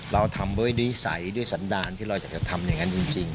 เราทำด้วยนิสัยด้วยสันดารที่เราอยากจะทำอย่างนั้นจริง